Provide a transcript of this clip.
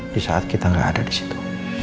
disaat kita gak ada disitu